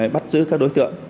bắt giữ các đối tượng